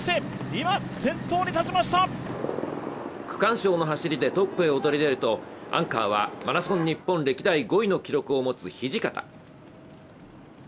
区間賞の走りでトップへ躍り出ると、アンカーはマラソン日本歴代５位の記録を持つ土方。